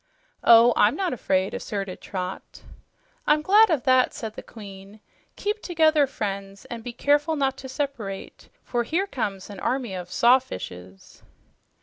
"Oh, I'm not afraid," asserted Trot. "I'm glad of that," said the Queen. "Keep together, friends, and be careful not to separate, for here comes an army of sawfishes."